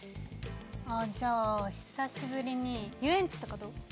じゃあ久しぶりに遊園地とかどう？